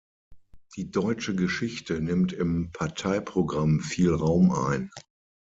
Die deutsche Geschichte nimmt im Parteiprogramm viel Raum ein.